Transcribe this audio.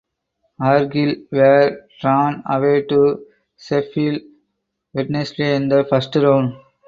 Argyle were drawn away to Sheffield Wednesday in the first round.